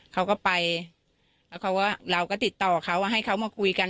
เขาก็ไปแล้วเขาก็เราก็ติดต่อเขาว่าให้เขามาคุยกัน